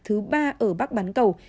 thứ ba ở bắc bán cầu